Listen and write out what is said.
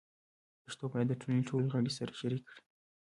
پښتو باید د ټولنې ټول غړي سره شریک کړي.